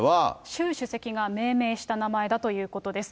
習主席が命名した名前だということです。